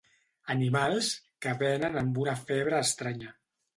Animals que venen amb una febre estranya.